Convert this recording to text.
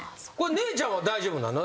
姉ちゃんは大丈夫なの？